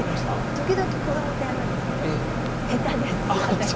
時々、子どもとやるんですけど、下手です、私。